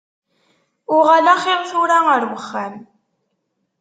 Uɣal axiṛ tura ar wexxam.